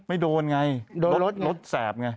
ไม่โดนไงโดนรถแสบไง